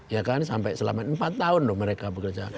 ya kan sampai selama empat tahun loh mereka bekerja